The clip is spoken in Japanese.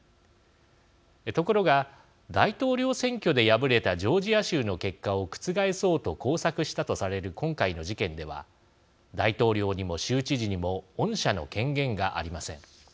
ところが、大統領選挙で敗れたジョージア州の結果を覆そうと工作したとされる今回の事件では大統領にも、州知事にも恩赦の権限がありません。